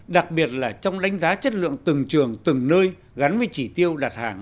đặc biệt là trong đánh giá chất lượng từng trường từng nơi gắn với chỉ tiêu đặt hàng